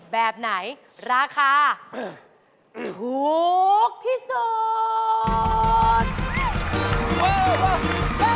แบบไหนราคาถูกที่สุด